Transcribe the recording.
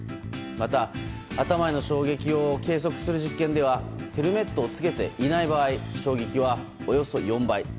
また、頭への衝撃を計測する実験ではヘルメットをつけていない場合衝撃はおよそ４倍。